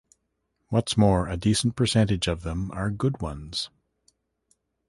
What's more, a decent percentage of them are good ones.